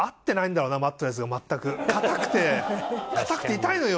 硬くて硬くて痛いのよ